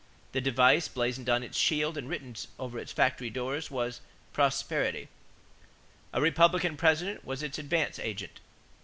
The device blazoned on its shield and written over its factory doors was "prosperity." A Republican President was its "advance agent."